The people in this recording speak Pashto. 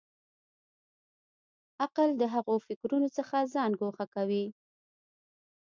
عقل د هغو فکرونو څخه ځان ګوښه کوي.